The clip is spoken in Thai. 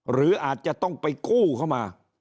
หรืออาจจะต้องไปกู้เข้ามา